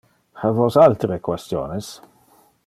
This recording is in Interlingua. Ha vos altere questiones?